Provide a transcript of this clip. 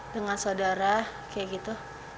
dengan saudara kayak gitu